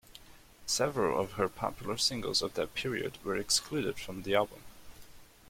Several of her popular singles of that period were excluded from the album.